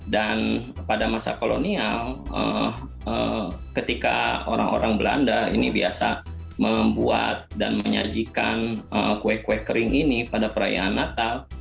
dan pada masa kolonial ketika orang orang belanda ini biasa membuat dan menyajikan kue kue kering ini pada perayaan natal